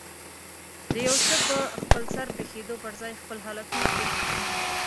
د يو څه په خپلسر پېښېدو پر ځای خپل حالتونه پېښ کړي.